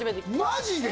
マジで！？